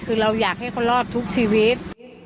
คือเราอยากให้เขารอดทุกชีวิต